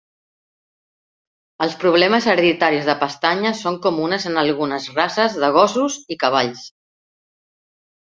Els problemes hereditaris de pestanyes són comunes en algunes races de gossos i cavalls.